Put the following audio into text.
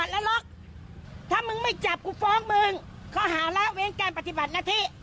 ล็อกถ้ามึงไม่จับกูฟ้องมึงเค้าหาแล้วเวทย์การปฏิบัตินาที่